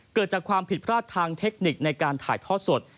เกิดจากความผิดพลาดทางเทคนิคในการถ่ายทอดสด